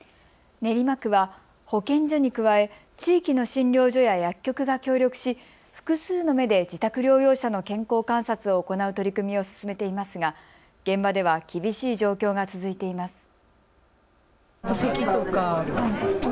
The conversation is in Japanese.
練馬区は保健所に加え地域の診療所や薬局が協力し複数の目で自宅療養者の健康観察を行う取り組みを進めていますが現場では厳しい状況が続いています。